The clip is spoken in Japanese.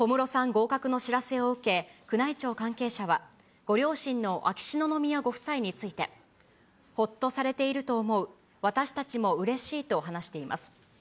合格の知らせを受け、宮内庁関係者は、ご両親の秋篠宮ご夫妻について、ほっとされていると思う、私たちもうれしいと話しています。